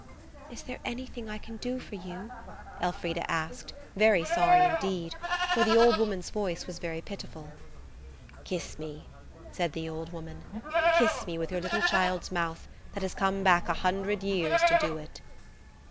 "Is there anything I can do for you?" Elfrida asked, very sorry indeed, for the old woman's voice was very pitiful. "Kiss me," said the old woman,–"kiss me with your little child's mouth, that has come back a hundred years to do it."